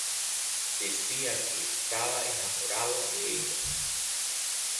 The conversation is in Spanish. Decía que estaba enamorado de ella.